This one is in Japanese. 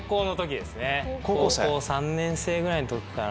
高校３年生ぐらいの時かな